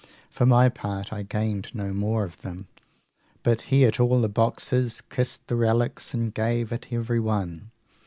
For my part, I gained no more of them, but he at all the boxes kissed the relics, and gave at everyone.